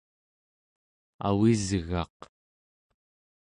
avisgaq